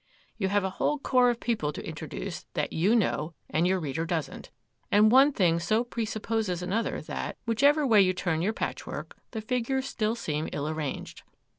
You have a whole corps of people to introduce that you know and your reader doesn't; and one thing so presupposes another, that, whichever way you turn your patchwork, the figures still seem ill arranged.